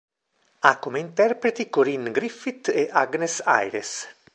Ha come interpreti Corinne Griffith e Agnes Ayres.